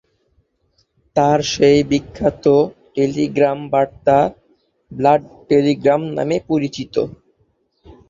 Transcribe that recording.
তার সেই বিখ্যাত টেলিগ্রাম বার্তা ব্লাড টেলিগ্রাম নামে পরিচিত।